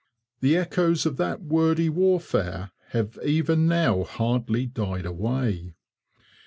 The echoes of that wordy warfare have even now hardly died away.